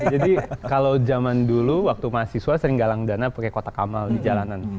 jadi kalau zaman dulu waktu mahasiswa sering galang dana pakai kotak amal di jalanan